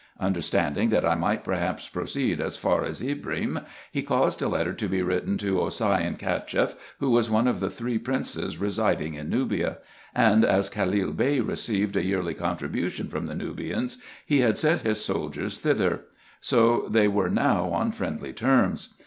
Understanding that I might perhaps proceed as far as Ibrim, he caused a letter to be written to Osseyn Cacheff, who was one of the three princes residing in Nubia : and as Khalil Bey received a yearly contribution from the Nubians, he had sent his soldiers thither; so they were now on friendly terms.